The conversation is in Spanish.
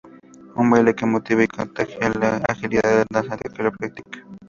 Un baile que motiva y contagia la agilidad del danzante que lo practica.